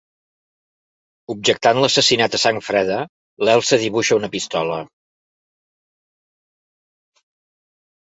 Objectant l'assassinat a sang freda, l'Elsa dibuixa una pistola.